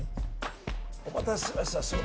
お待たせしました。